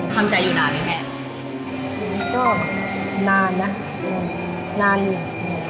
ทำใจอยู่นานไหมแม่อืมก็นานนะอืมนานอีกอ๋อ